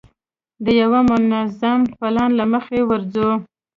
د یوه منظم پلان له مخې ورځو.